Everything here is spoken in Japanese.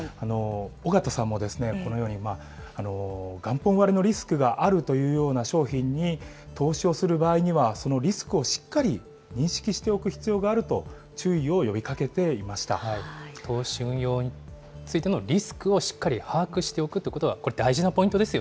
小方さんも、このように、元本割れのリスクがあるというような商品に投資をする場合には、そのリスクをしっかり認識しておく必要があると、注意を呼びかけ投資・運用についてのリスクをしっかり把握しておくということは、これ、大事なポイントです